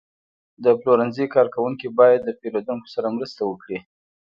د پلورنځي کارکوونکي باید د پیرودونکو سره مرسته وکړي.